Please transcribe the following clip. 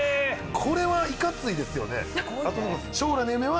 これはいかついですよね。